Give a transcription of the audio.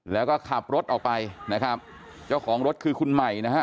แล้วก็ขับรถออกไปนะครับเจ้าของรถคือคุณใหม่นะฮะ